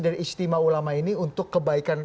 dari istimewa ulama ini untuk kebaikan